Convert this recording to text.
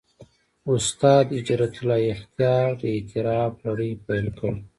استاد هجرت الله اختیار د «اعتراف» لړۍ پېل کړې.